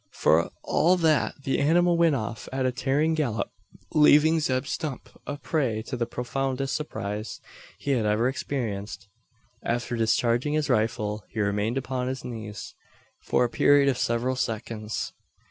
For all that, the animal went off at a tearing gallop; leaving Zeb Stump a prey to the profoundest surprise he had ever experienced. After discharging his rifle, he remained upon his knees, for a period of several seconds.